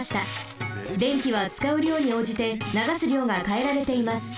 電気はつかうりょうにおうじてながすりょうがかえられています。